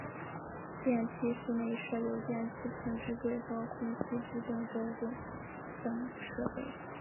电气室内设有电气控制柜和空气制动轴重等设备。